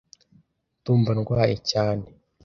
Ndumva ndwaye cyane. .